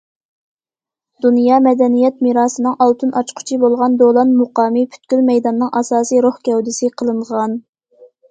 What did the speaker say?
دۇنيا مەدەنىيەت مىراسىنىڭ ئالتۇن ئاچقۇچى بولغان دولان مۇقامى پۈتكۈل مەيداننىڭ ئاساسىي روھ گەۋدىسى قىلىنغان.